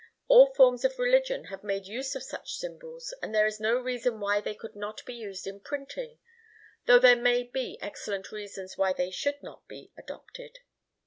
All forms of religion have made use of such symbols, and there is no reason why they could not be used in printing, though there may be excellent reasons why they should not be adopted.